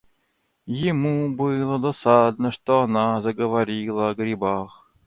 Ему было досадно, что она заговорила о грибах.